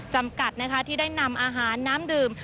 จำกัดนะคะที่ได้นำอาหารน้ำดื่ม